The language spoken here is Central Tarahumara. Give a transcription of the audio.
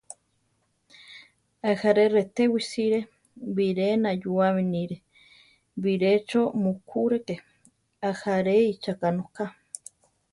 Ajaré retewi sire; biré nayúame níre, birecho mukúreke, ajáre icháka nóka.